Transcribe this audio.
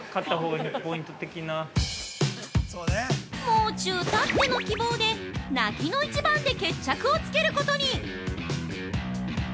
もう中たっての希望で泣きの一番で決着をつけることに！